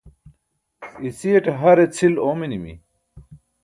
iciyaṭe har e cʰil oominimi